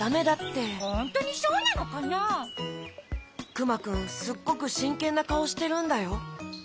クマくんすっごくしんけんなかおしてるんだよ？